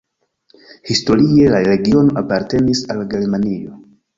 Historie la regiono apartenis al Germanio.